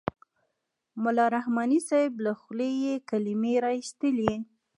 ملا رحماني صاحب له خولې یې کلمې را اېستلې.